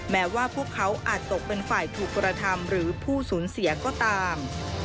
แม้ว่าพวกเขาอาจตกเป็นฝ่ายถูกกระทำหรือผู้สูญเสียก็ตาม